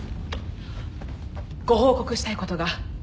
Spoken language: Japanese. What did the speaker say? ご報告したいことが。